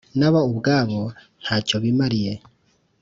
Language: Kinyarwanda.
na bo ubwabo nta cyo bimariye.